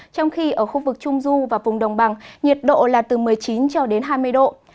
trong khi ở khu vực trung du và vùng đồng bằng nhiệt độ là từ một mươi chín cho đến hai mươi độ